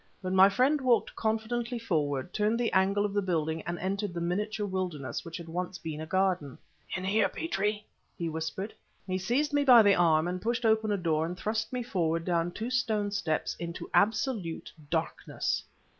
But my friend walked confidently forward, turned the angle of the building and entered the miniature wilderness which once had been a garden. "In here, Petrie!" he whispered. He seized me by the arm, pushed open a door and thrust me forward down two stone steps into absolute darkness.